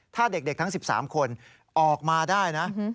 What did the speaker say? ถ้าเด็ก๑๓คนออกมาได้